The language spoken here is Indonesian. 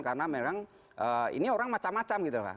karena memang ini orang macam macam gitu kan